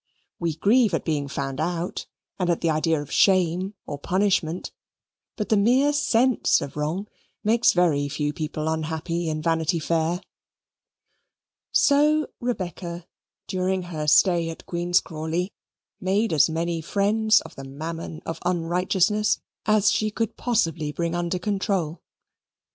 We grieve at being found out and at the idea of shame or punishment, but the mere sense of wrong makes very few people unhappy in Vanity Fair. So Rebecca, during her stay at Queen's Crawley, made as many friends of the Mammon of Unrighteousness as she could possibly bring under control.